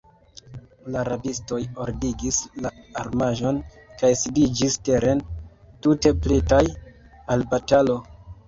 La rabistoj ordigis la armaĵon kaj sidiĝis teren, tute pretaj al batalo.